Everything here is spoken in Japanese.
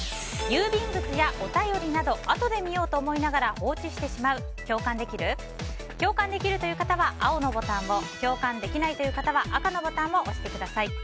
郵便物やお便りなどあとで見ようと思いながら放置してしまう共感できる？共感できるという方は青のボタンを共感できないという方は赤のボタンを押してください。